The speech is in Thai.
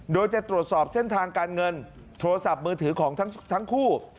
โดยจะตรวจสอบเส้นทางการเงินโทรศัพท์มือถือของทั้งคู่